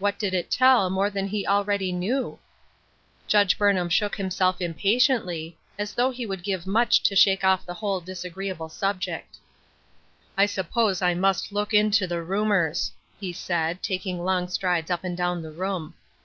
What did it tell, more than he already knew ? Judge Burnham shook himself impatiently, as though he would give much to shake off the whole disagreeable subject. " I suppose I must look into the rumors," he said, taking long strides up and down the room.